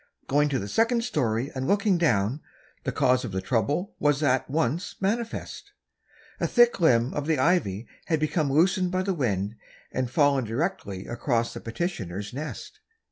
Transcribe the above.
Going to the second story and looking down, the cause of the trouble was at once manifest. A thick limb of the ivy had become loosened by the wind, and fallen directly across the petitioner's nest.